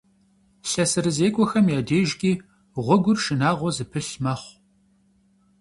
ЛъэсырызекӀуэхэм дежкӀи гъуэгур шынагъуэ зыпылъ мэхъу.